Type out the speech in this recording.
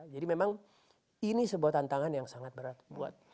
jadi memang ini sebuah tantangan yang sangat berat buat